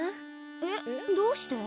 えっどうして？